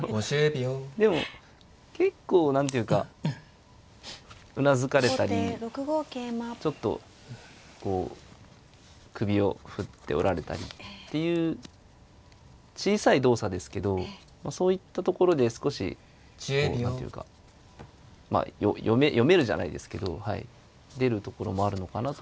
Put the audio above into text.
でも結構何ていうかうなずかれたりちょっとこう首を振っておられたりっていう小さい動作ですけどそういったところで少しこう何ていうかまあ読めるじゃないですけど出るところもあるのかなと。